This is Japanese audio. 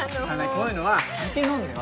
こういうのは酒飲んで忘れんだよ